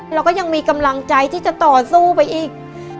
เราก็ยังมีกำลังใจที่จะต่อสู้ไปอีก